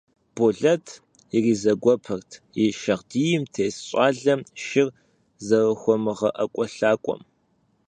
Болэт иризэгуэпырт и шагъдийм тес щӀалэм шыр зэрыхуэмыгъэӀэкӀуэлъакӀуэм.